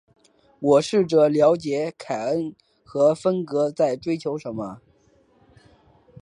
我试着了解凯恩和芬格在追求什么。